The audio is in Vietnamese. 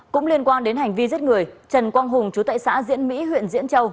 cũng liên quan đến hành vi giết người trần quang hùng chú tại xã diễn mỹ huyện diễn châu